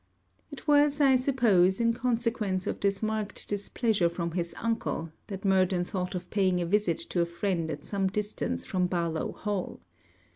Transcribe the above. It was, I suppose, in consequence of this marked displeasure from his uncle, that Murden thought of paying a visit to a friend at some distance from Barlowe Hall.